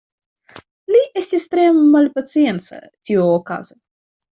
Li estis tre malpacienca tiuokaze.